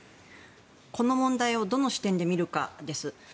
この問題をどの視点で見るかです。